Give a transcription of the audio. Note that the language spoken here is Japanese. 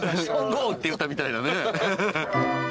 ゴーって言ったみたいなね。